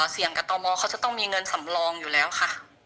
เสี่ยงกับตมเขาจะต้องมีเงินสำรองอยู่แล้วค่ะ